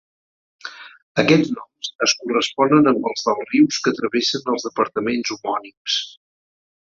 Aquests noms es corresponen amb els dels rius que travessen els departaments homònims.